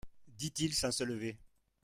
dit-il sans se lever.